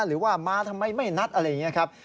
หรือว่ามาทำไมไม่นัดอะไรอย่างนี้ครับ